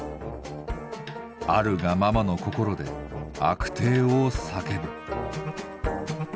あるがままの心であくてえを叫ぶ。